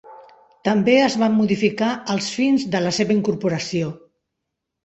També es van modificar els fins de la seva incorporació.